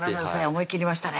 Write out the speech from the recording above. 思いきりましたね